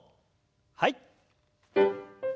はい。